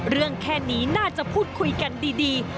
แค่นี้น่าจะพูดคุยกันดี